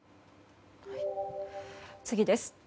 次です。